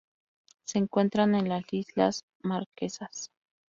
Se encuentran en las islas Marquesas.